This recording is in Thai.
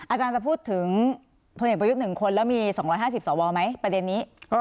อาจารย์จะพูดถึงพลเอกประยุทธ์๑คนแล้วมี๒๕๐สวไหมประเด็นนี้